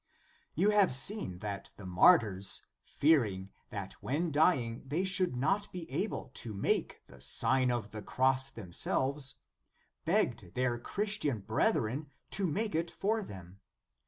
You have seen that the martyrs, fearing that when dying they should not be able to make the Sign of the Cross themselves, beg ged their Christian brethren to make it for them.